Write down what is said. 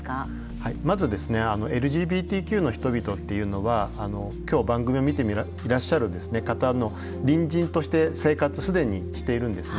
まずですねＬＧＢＴＱの人々っていうのは今日番組を見ていらっしゃる方の隣人として生活既にしているんですね。